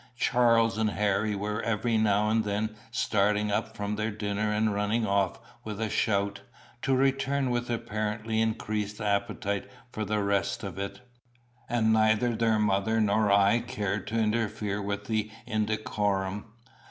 Charles and Harry were every now and then starting up from their dinner and running off with a shout, to return with apparently increased appetite for the rest of it; and neither their mother nor I cared to interfere with the indecorum.